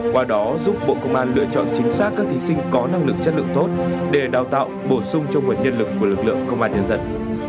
qua đó giúp bộ công an lựa chọn chính xác các thí sinh có năng lực chất lượng tốt để đào tạo bổ sung cho nguồn nhân lực của lực lượng công an nhân dân